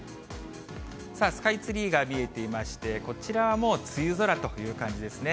スカイツリーが見えていまして、こちらはもう梅雨空という感じですね。